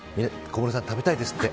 小室さん、食べたいですって。